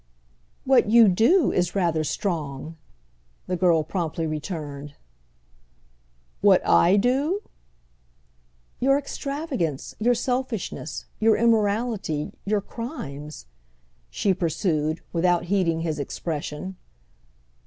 "What you do is rather strong!" the girl promptly returned. "What I do?" "Your extravagance, your selfishness, your immorality, your crimes," she pursued, without heeding his expression.